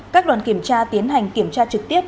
các đoàn kiểm tra tiến hành kiểm tra trực tiếp